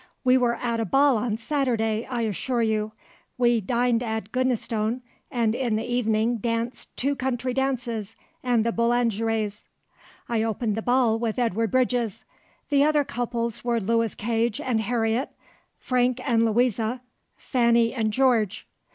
"We were at a ball on Saturday, I assure you. We dined at Goodnestone, and in the evening danced two country dances and the Boulangeries. I opened the ball with Edward Bridges; the other couples were Lewis Cage and Harriet, Frank and Louisa, Fanny and George.